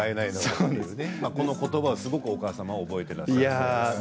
このことばをすごくお母様は覚えていらっしゃると。